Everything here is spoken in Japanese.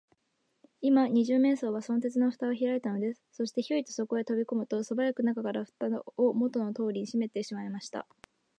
今、二十面相は、その鉄のふたをひらいたのです。そして、ヒョイとそこへとびこむと、すばやく中から、ふたをもとのとおりにしめてしまいました。